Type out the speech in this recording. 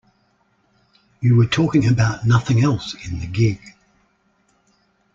You were talking about nothing else in the gig.